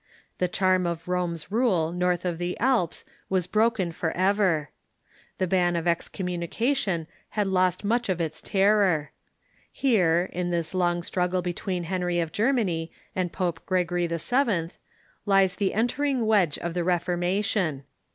The charm of Rome's rule north of the Alps was broken forever. The ban of excommunication had lost much of its terror. Here, in this long struggle between Henry of Germany and Pope Gregory VIL, lies the entering wedge of the Reformation.